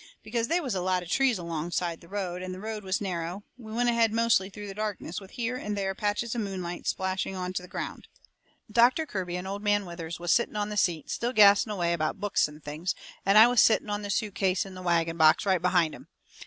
Because they was a lot of trees alongside the road, and the road was narrow, we went ahead mostly through the darkness, with here and there patches of moonlight splashed onto the ground. Doctor Kirby and Old Man Withers was setting on the seat, still gassing away about books and things, and I was setting on the suit case in the wagon box right behind 'em.